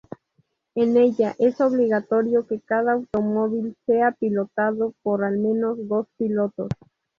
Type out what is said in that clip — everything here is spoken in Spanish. En ella, es obligatorio que cada automóvil sea pilotado por al menos dos pilotos.